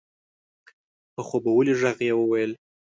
په خوبولي غږ يې وويل؛